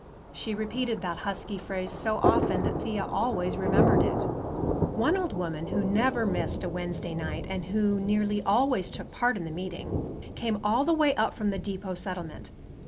She repeated that husky phrase so often, that Thea always remembered it. One old woman, who never missed a Wednesday night, and who nearly always took part in the meeting, came all the way up from the depot settlement.